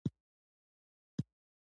ځوان د گلاب بوټی واړاوه.